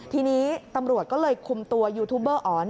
ทีนี้ตำรวจก็เลยคุมตัวยูทูบเบอร์อ๋อ